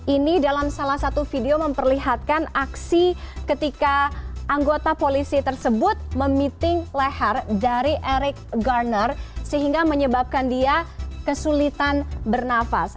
ini dalam salah satu video memperlihatkan aksi ketika anggota polisi tersebut memiting leher dari eric garner sehingga menyebabkan dia kesulitan bernafas